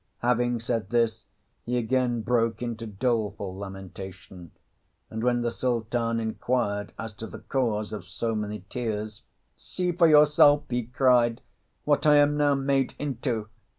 Having said this he again broke into doleful lamentation; and when the Sultan inquired as to the cause of so many tears, "See for yourself," he cried, "what I am now made into!"